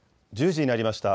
１０時になりました。